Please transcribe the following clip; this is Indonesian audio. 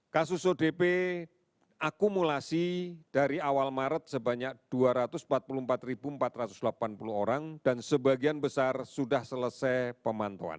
kasus odp akumulasi dari awal maret sebanyak dua ratus empat puluh empat empat ratus delapan puluh orang dan sebagian besar sudah selesai pemantauan